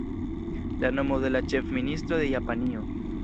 La nomo de la ĉefministro de Japanio.